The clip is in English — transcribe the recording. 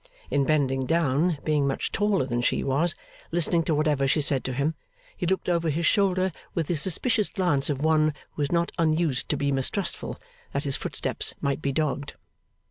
In bending down (being much taller than she was), listening to whatever she said to him, he looked over his shoulder with the suspicious glance of one who was not unused to be mistrustful that his footsteps might be dogged.